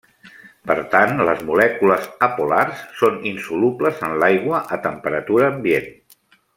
Per tant les molècules apolars són insolubles en l'aigua a temperatura ambient.